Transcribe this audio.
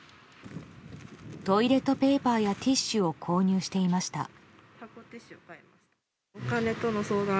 トイレットペーパーやティッシュを購入していました。